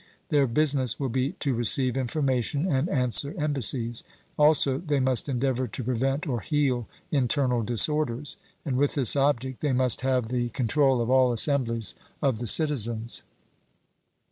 Their business will be to receive information and answer embassies; also they must endeavour to prevent or heal internal disorders; and with this object they must have the control of all assemblies of the citizens.